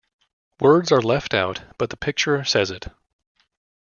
Words are left out-but the picture says it.